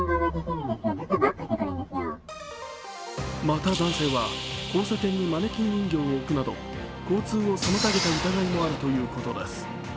また男性は交差点にマネキン人形を置くなど交通を妨げた疑いもあるということです。